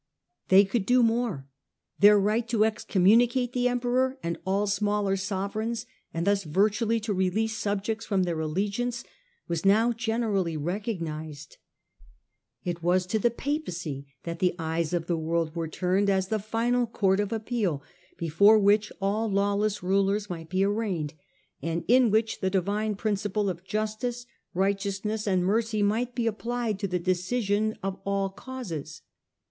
They could do more : their right to excoromunicate the emperor, and all smaller sovereigns, and thus virtually to release subjects from their allegiance, was now generally recog nised ; it was to the Papacy that the eyes of the world were turned as the final court of appeal, before which all lawless rulers might be arraigned, and in which the divine principles of justice, righteousness, and mercy might be applied to the decision of all causes.